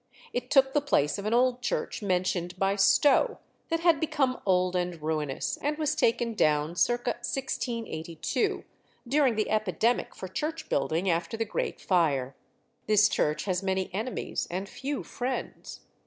It took the place of an old church mentioned by Stow, that had become old and ruinous, and was taken down circa 1682, during the epidemic for church building after the Great Fire. This church has many enemies and few friends.